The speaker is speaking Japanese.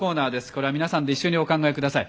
これは皆さんで一緒にお考え下さい。